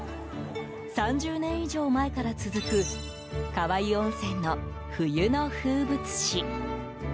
３０年以上前から続く川湯温泉の冬の風物詩。